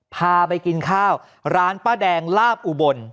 พาไปกินข้าวร้านป้าแดงลาบอุบล